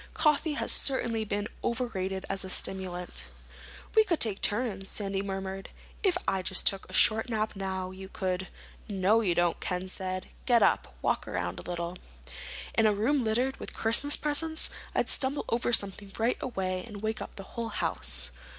Coffee has certainly been overrated as a stimulant." "We could take turns," Sandy murmured. "If I just took a short nap now, you could—" "No, you don't," Ken said. "Get up. Walk around a little." "In a room littered with Christmas presents? I'd stumble over something right away and wake up the whole house."